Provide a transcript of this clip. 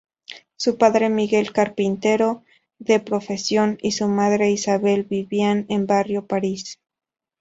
Su padre Miguel, carpintero de profesión, y su madre Isabel vivían en Barrio París.